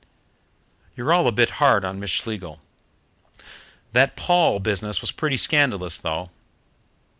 You're all a bit hard on Miss Schlegel." "That Paul business was pretty scandalous, though."